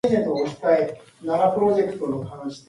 The headline reads "H-Bomb Capable of Total Destruction".